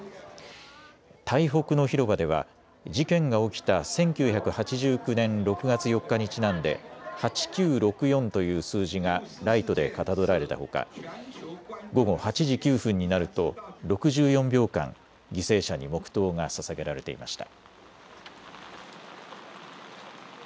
台北の広場では事件が起きた１９８９年６月４日にちなんで８９６４という数字がライトでかたどられたほか、午後８時９分になると６４秒間犠牲者に黙とうがささげられていました。